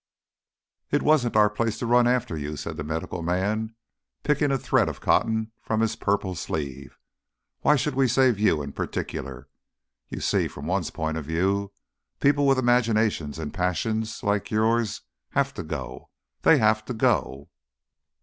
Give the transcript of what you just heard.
"It wasn't our place to run after you," said the medical man, picking a thread of cotton from his purple sleeve. "Why should we save you in particular? You see from one point of view people with imaginations and passions like yours have to go they have to go."